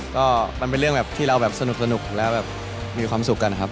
ก็มันเป็นเรื่องแบบที่เราแบบสนุกแล้วแบบมีความสุขกันนะครับ